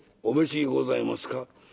「お召しにございますか？」。